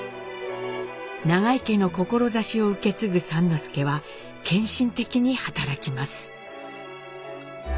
永井家の志を受け継ぐ之助は献身的に働きます。